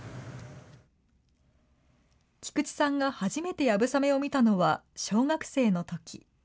菊池さんが初めてやぶさめを見たのは小学生のとき。